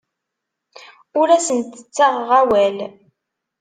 Ur asent-ttaɣeɣ awal.